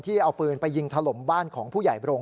เอาปืนไปยิงถล่มบ้านของผู้ใหญ่โรง